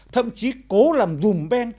thậm chí cố làm dùm bên